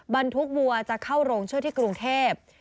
บรรทุกวัวจะเข้าโรงช่วยที่กรุงเทพ